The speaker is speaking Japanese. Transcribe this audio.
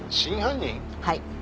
はい。